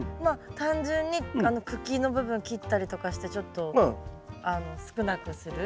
単純に茎の部分切ったりとかしてちょっと少なくする？